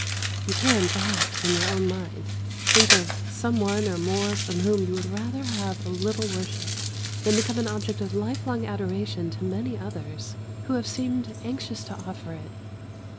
You can, perhaps, in your own mind, think of some one or more from whom you would rather have a little worship, than become an object of lifelong adoration to many others who have seemed anxious to offer it.